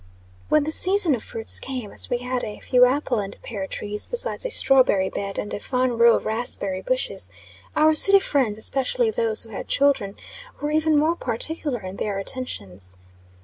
When the season of fruits came, as we had a few apple and pear trees, besides a strawberry bed, and a fine row of raspberry bushes, our city friends, especially those who had children, were even more particular in their attentions.